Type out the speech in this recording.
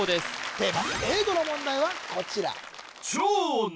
テーマ英語の問題はこちら・